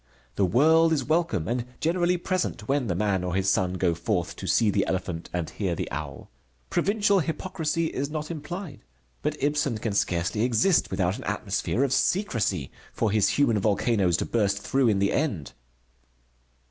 The world is welcome, and generally present when the man or his son go forth to see the elephant and hear the owl. Provincial hypocrisy is not implied. But Ibsen can scarcely exist without an atmosphere of secrecy for his human volcanoes to burst through in the end.